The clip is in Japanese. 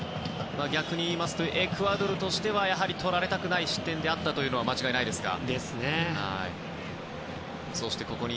逆に言いますとエクアドルとしては取られたくない失点であったことは間違いないですね。